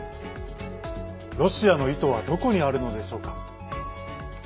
ロシアの意図はどこにあるのでしょうか。